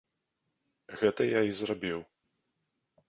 Гэта я і зрабіў.